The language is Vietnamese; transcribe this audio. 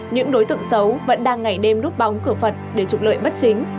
những đối tượng xấu vẫn đang ngày đêm rút bóng cửa phật để trục lợi bất chính